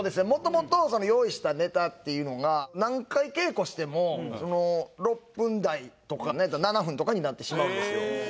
もともと用意したネタっていうのが何回稽古しても６分台とかなんやったら７分とかになってしまうんですよ。